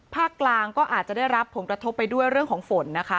กลางก็อาจจะได้รับผลกระทบไปด้วยเรื่องของฝนนะคะ